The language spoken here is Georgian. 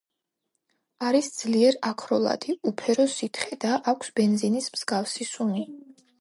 არის ძლიერ აქროლადი, უფერო სითხე და აქვს ბენზინის მსგავსი სუნი.